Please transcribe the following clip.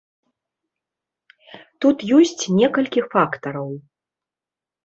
Тут ёсць некалькі фактараў.